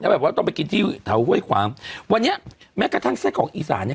แบบว่าต้องไปกินที่แถวห้วยขวางวันนี้แม้กระทั่งไส้ของอีสานเนี้ย